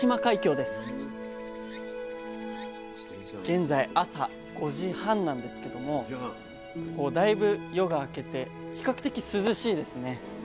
現在朝５時半なんですけどもだいぶ夜が明けて比較的涼しいですね。